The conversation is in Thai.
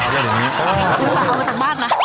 ดูสาวมาจากบ้านนะ